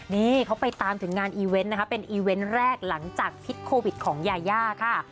นี่เขาไปตามถึงงานอีเวนต์นะคะเป็นอีเวนต์แรกหลังจากพิษโควิดของยายาค่ะ